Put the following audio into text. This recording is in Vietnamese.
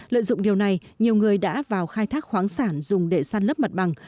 lợi dụng điều này nhiều người đã vào khai thác khoáng sản dùng để săn lấp mặt bằng